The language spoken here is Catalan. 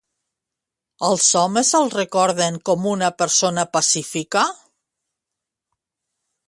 Els homes el recorden com una persona pacífica?